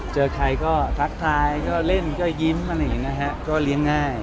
เจอใครก็ทักทายก็เล่นก็ยิ้มอะไรอย่างนี้นะฮะก็เลี้ยงง่าย